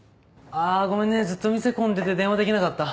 あぁごめんねずっと店混んでて電話できなかった。